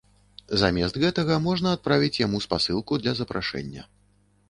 Замест гэтага можна адправіць яму спасылку для запрашэння.